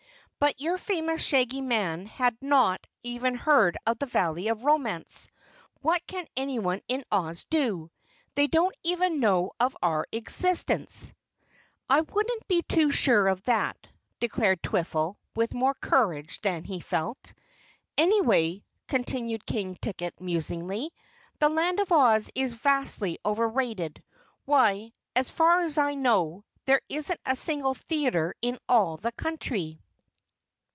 But your famous Shaggy Man had not even heard of the Valley of Romance. What can anyone in Oz do? They don't even know of our existence." "I wouldn't be too sure of that," declared Twiffle with more courage than he felt. "Anyway," continued King Ticket musingly, "the Land of Oz is vastly over rated. Why, as far as I know, there isn't a single theater in all the country!"